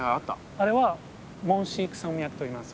あれはモンシーク山脈といいます。